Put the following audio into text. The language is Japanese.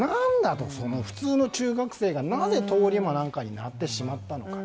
普通の中学生がなぜ通り魔なんかになってしまったのか。